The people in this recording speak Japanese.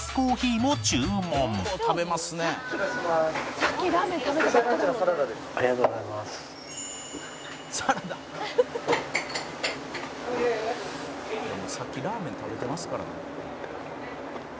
「もうさっきラーメン食べてますからね」